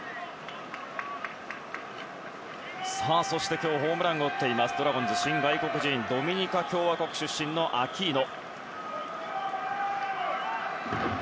今日、ホームランを打っているドラゴンズ新外国人ドミニカ共和国出身のアキーノ。